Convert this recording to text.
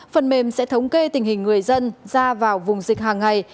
phần mềm sẽ thống kê tình hình người dân ra vào vùng dịch hàng ngày